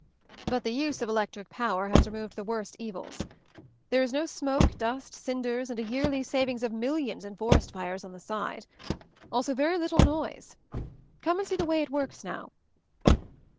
But the use of electric power has removed the worst evils. There is no smoke, dust, cinders, and a yearly saving of millions in forest fires on the side ! Also very little noise. Come and see the way it works now."